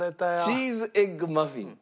チーズエッグマフィン。